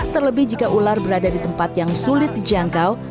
terlebih jika ular berada di tempat yang sulit dijangkau